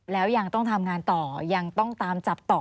แล้วยังต้องทำงานต่อยังต้องตามจับต่อ